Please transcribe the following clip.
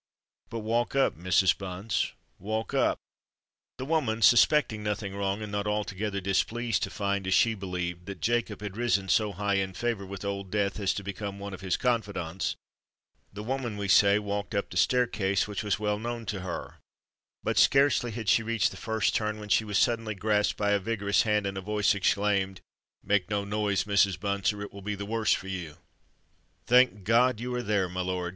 But walk up, Mrs. Bunce—walk up." The woman, suspecting nothing wrong, and not altogether displeased to find (as she believed) that Jacob had risen so high in favour with Old Death as to become one of his confidants,—the woman, we say, walked up the staircase, which was well known to her; but, scarcely had she reached the first turn, when she was suddenly grasped by a vigorous hand, and a voice exclaimed, "Make no noise, Mrs. Bunce—or it will be the worse for you." "Thank God, you are there, my lord!"